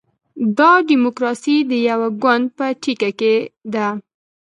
دا ډیموکراسي د یوه ګوند په ټیکه کې ده.